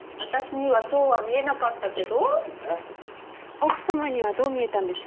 奥様にはどう見えたんです？